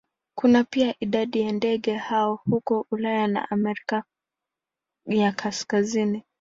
Kuna pia idadi ya ndege hao huko Ulaya na Amerika ya Kaskazini.